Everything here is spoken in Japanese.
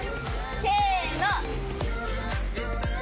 せの！